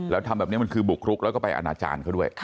แล้วทำแบบนี้มันคือบุกรุกแล้วก็ไปอนาจารย์เขาด้วย